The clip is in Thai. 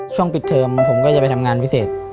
ช่วงที่ปิดเทิมผมจะไปทำงานวิเศษ